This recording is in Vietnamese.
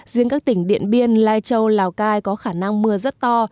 riêng các tỉnh điện biên lai châu lào cai có khả năng mưa rất to